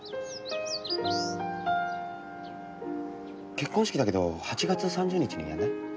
結婚式だけど８月３０日にやんない？